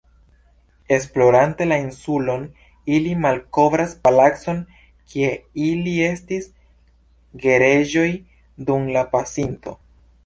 Esplorante la insulon, ili malkovras palacon, kie ili estis gereĝoj dum la pasinto.